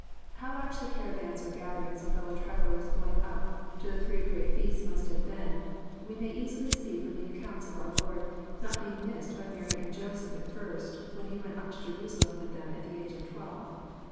— How large the caravans or gatherings of fellow travellers going up to the three great feasts must have been, we may easily see from the account of our Lord being not missed by Mary and Joseph at first, when He went up to Jerusalem with them at the age of twelve.